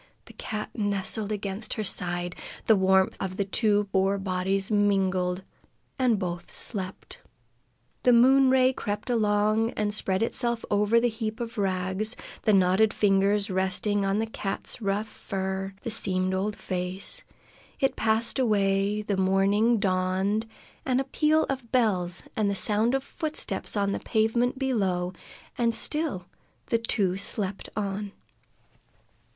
The cat nestled against her side; the warmth of the two poor bodies mingled, and both slept. The moon ray crept along and spread itself over the heap of rags, the knotted fingers resting on the cat's rough fur, the seamed old face; it passed away, and morning dawned, with a peal of bells and the sound of footsteps on the pavement below, and still the two slept on.